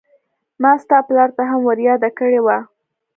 ما ستا پلار ته هم ور ياده کړې وه.